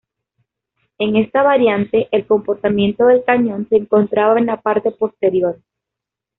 En esta variante, el compartimiento del cañón se encontraba en la parte posterior.